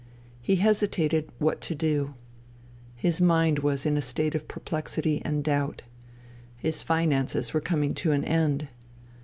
He hesitated what to do. His mind was in a state of perplexity and doubt. His finances were coming to an end.